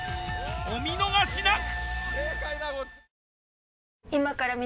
お見逃し無く！